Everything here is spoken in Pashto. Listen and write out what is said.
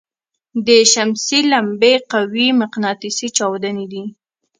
د شمسي لمبې قوي مقناطیسي چاودنې دي.